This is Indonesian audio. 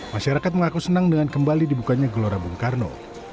masyarakat mengaku senang dengan kembali dibukanya gelora bung karno